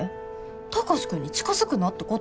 貴司君に近づくなってこと？